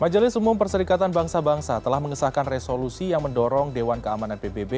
majelis umum perserikatan bangsa bangsa telah mengesahkan resolusi yang mendorong dewan keamanan pbb